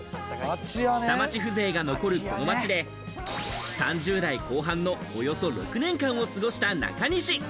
下町風情が残るこの街で３０代後半のおよそ６年間を過ごした中西。